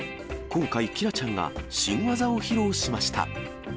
今回、キラちゃんが新技を披露しました。